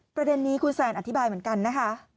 ประเด็นนี้คุณแซนอธิบายเหมือนกันนะคะ